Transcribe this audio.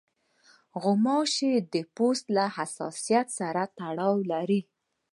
غوماشې د پوست له حساسیت سره تړاو لري.